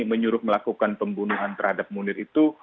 menyuruh melakukan pembunuhan terhadap munir itu